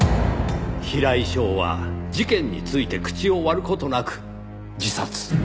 平井翔は事件について口を割る事なく自殺。